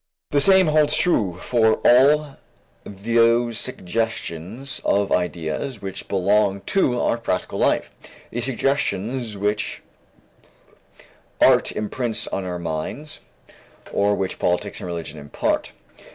The same holds true for all those suggestions of ideas which belong to our practical life, the suggestions which art imprints on our minds, or which politics and religion impart.